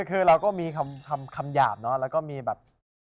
คือเราก็มีคำหยาบเนอะแล้วก็มีแบบ